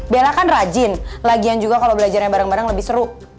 bella kan rajin lagian juga kalau belajarnya bareng bareng lebih seru